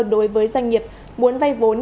đối với doanh nghiệp muốn vay vốn